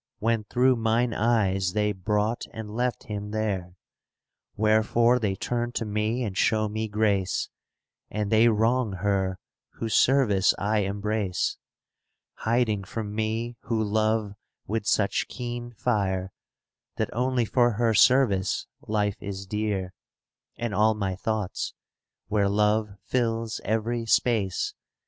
When through mine eyes they brought and left him there. Wherefore they turn to me and show me grace: And they wrong her, whose service I embrace, ^ Hiding from me who love with such keen fire, That only for her service life is dear; And all my thoughts, where Love fills every space.